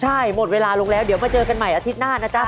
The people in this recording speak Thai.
ใช่หมดเวลาลงแล้วเดี๋ยวมาเจอกันใหม่อาทิตย์หน้านะจ๊ะ